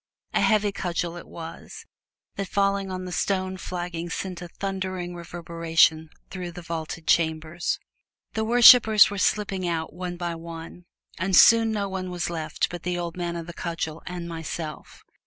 A heavy cudgel it was that falling on the stone flagging sent a thundering reverberation through the vaulted chambers. The worshipers were slipping out, one by one, and soon no one was left but the old man of the cudgel and myself.